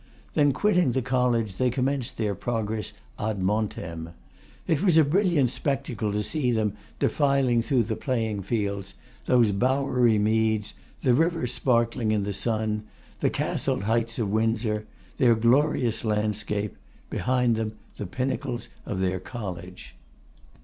Then quitting the College, they commenced their progress 'ad Montem.' It was a brilliant spectacle to see them defiling through the playing fields, those bowery meads; the river sparkling in the sun, the castled heights of Windsor, their glorious landscape; behind them, the pinnacles of their College.